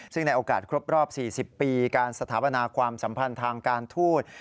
ซึ่งในโอกาสครบรอบ๔๐ปีการสถาปนาความสัมพันธ์ทางการทูต